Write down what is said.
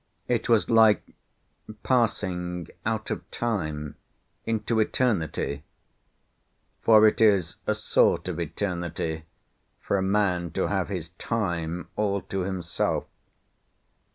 It was like passing out of Time into Eternity—for it is a sort of Eternity for a man to have his Time all to himself.